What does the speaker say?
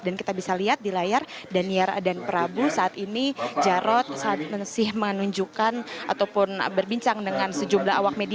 dan kita bisa lihat di layar daniat dan prabu saat ini jarod masih menunjukkan ataupun berbincang dengan sejumlah awak media